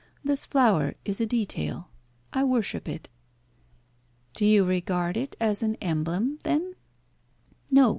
This flower is a detail. I worship it." "Do you regard it as an emblem, then?" "No.